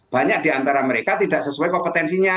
banyak di antara mereka tidak sesuai kompetensinya